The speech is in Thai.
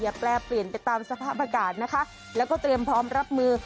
แปรเปลี่ยนไปตามสภาพอากาศนะคะแล้วก็เตรียมพร้อมรับมือ